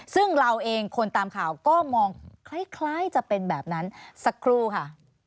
ซึ่งเราเองคนตามข่าวก็มองคล้ายจะเป็นแบบนั้นสักครู่ค่ะ